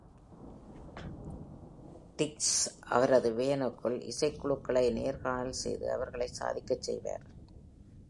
Dix, அவரது வேனுக்குள் இசைக்குழுக்களை நேர்காணல் செய்து அவர்களை சாதிக்கச் செய்வார்.